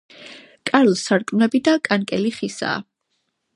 კარ-სარკმლები და კანკელი ხისაა.